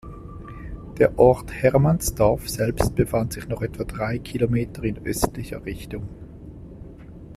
Der Ort Hermannsdorf selbst befand sich noch etwa drei Kilometer in östlicher Richtung.